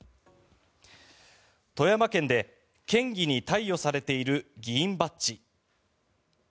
富山県で県議に貸与されている議員バッジ。